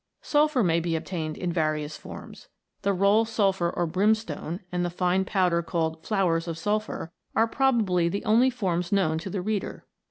Sulphur may be obtained in various forms. The roll sulphur or brimstone, and the fine powder called flowers of sulphur, are probably the only forms 86 MODERN ALCHEMY. known to the reader.